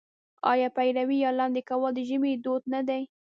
آیا پېروی یا لاندی کول د ژمي دود نه دی؟